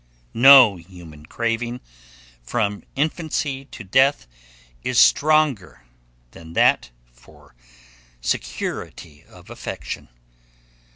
No human craving, from infancy to death, is stronger than that for security of affection.